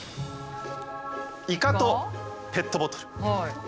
イカとペットボトル。